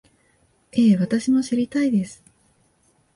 ええ、私も知りたいです